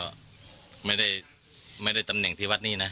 ก็ไม่ได้ตำแหน่งที่วัดนี้นะ